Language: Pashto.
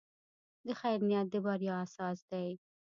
د خیر نیت د بریا اساس دی.